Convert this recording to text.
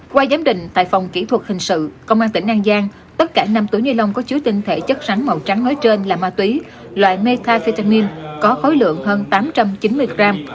qua giám định tại phòng kỹ thuật hình sự công an tỉnh an giang tất cả năm túi nilon có chứa tinh thể chất rắn màu trắng nối trên là ma túy loại methamphetamine có khối lượng hơn tám trăm chín mươi gram